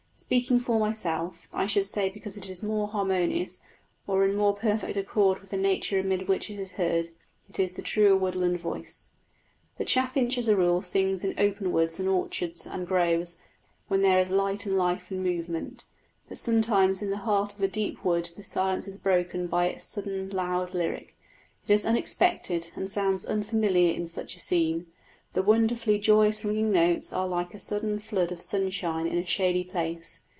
Speaking for myself, I should say because it is more harmonious, or in more perfect accord with the nature amid which it is heard; it is the truer woodland voice. The chaffinch as a rule sings in open woods and orchards and groves when there is light and life and movement; but sometimes in the heart of a deep wood the silence is broken by its sudden loud lyric: it is unexpected and sounds unfamiliar in such a scene; the wonderfully joyous ringing notes are like a sudden flood of sunshine in a shady place.